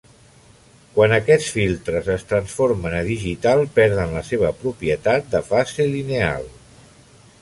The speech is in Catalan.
Quan aquests filtres es transformen a digital perden la seva propietat de fase lineal.